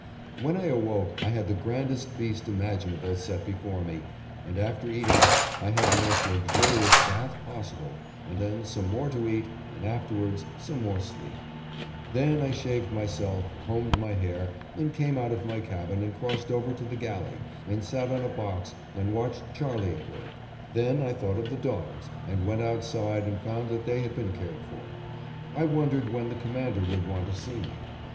When I awoke, I had the grandest feast imaginable set before me, and after eating, I had the most luxurious bath possible, and then some more to eat, and afterwards, some more sleep; then I shaved myself, combed my hair, and came out of my cabin and crossed over to the galley, and sat on a box and watched Charley at work. Then I thought of the dogs and went outside and found that they had been cared for. I wondered when the Commander would want to see me.